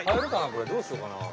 これどうしようかな？